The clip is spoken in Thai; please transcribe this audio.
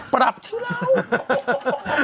ปรับที่เรา